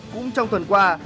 cũng trong tuần qua